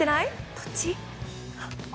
どっち？